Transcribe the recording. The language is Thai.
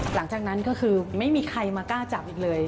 หลังจากนั้นก็คือไม่มีใครมากล้าจับอีกเลย